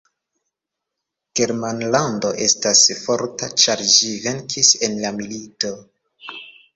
Germanlando estas forta, ĉar ĝi venkis en la milito.